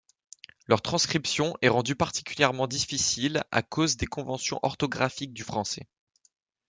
Leur transcription est rendu particulièrement difficile à cause des conventions orthographiques du français.